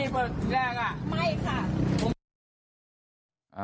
ไม่ค่ะ